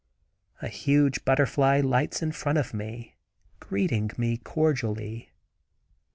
A huge butterfly lights in front of me, greeting me cordially.